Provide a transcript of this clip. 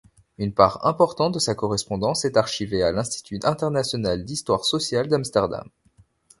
Une part importante de sa correspondance est archivée à l'Institut international d'histoire sociale d'Amsterdam.